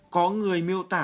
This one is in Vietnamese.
có người miêu tả